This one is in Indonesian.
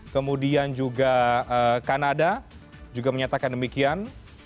kemudian juga kanada juga menyatakan demikian